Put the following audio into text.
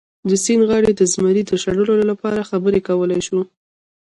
د سیند غاړې د زمري د شړلو لپاره خبرې کولی شو.